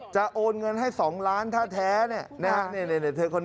จะโอนเงินให้๒ล้านถ้าแท้เนี่ย